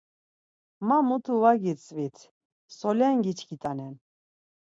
Ma mutu var gitzvit, solen giçkit̆anen.